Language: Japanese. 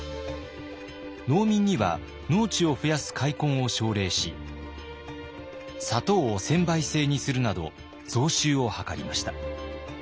農民には農地を増やす開墾を奨励し砂糖を専売制にするなど増収を図りました。